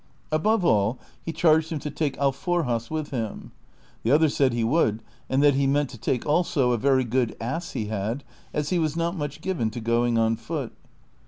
Above all, he charged him to take alforjas ' with him. The other said he would, and that he meant to take also a very good ass he had, as he was not much given to going on foot.